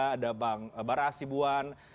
ada bang barah asibuan